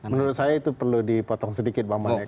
menurut saya itu perlu dipotong sedikit bang manek